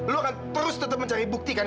lo akan terus tetep mencari bukti kan